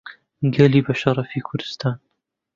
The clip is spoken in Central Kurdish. گەلی بەشەڕەفی کوردستان